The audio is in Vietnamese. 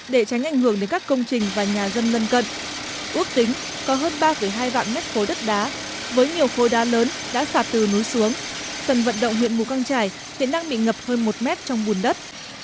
để tránh ảnh hưởng đến các công trình và nhà dân lân cận ước tính có hơn ba hai vạn mét khối đất đá với nhiều khối đá lớn đã sạt từ núi xuống sân vận động huyện mù căng trải hiện đang bị ngập hơn một mét trong bùn đất